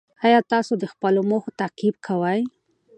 ایا تاسو د خپلو موخو تعقیب کوئ؟